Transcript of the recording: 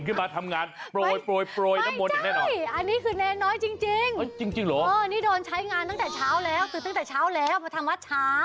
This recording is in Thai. น่ารักน่าเอ็นดูมากเลย